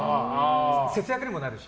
節約にもなるし。